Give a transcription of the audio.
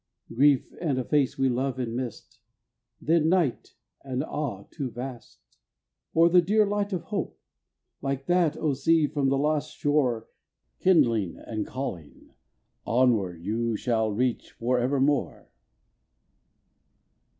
Grief and a face we love in mist Then night and awe too vast? Or the dear light of Hope like that, Oh, see, from the lost shore Kindling and calling "Onward, you Shall reach the Evermore!"